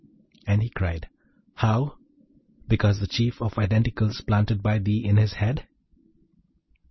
And he cried, 'How? because of the Chief of Identicals planted by thee in his head?'